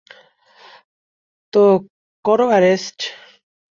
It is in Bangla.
তো করো অ্যারেস্ট।